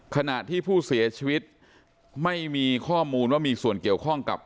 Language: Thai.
ขณะที่ผู้เสียชีวิตไม่มีข้อมูลว่ามีส่วนเกี่ยวข้องกับ